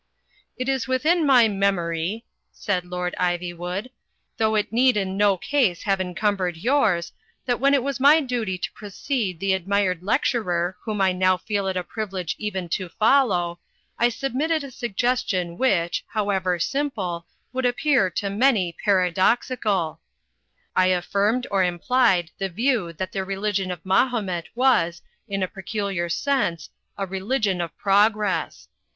''It is within my memory," said Lord Ivywood, ''though it need in no case have encumbered yours, that when it was my duty to precede the admired lec turer whom I now feel it a privilege even to follow, I submitted a suggestion which, however simple, would appear to many paradoxical. I affirmed or implied the view that the religion of Mahomet was, in a peculiar sense, a religion of progress.